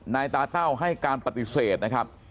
นายตาเต้าให้การปฏิเสธนะครับ